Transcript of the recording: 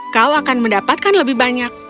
kau akan mendapatkan lebih banyak